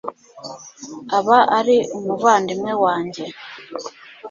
aba ari umuvandimwe wanjye